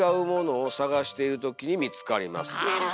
なるほど。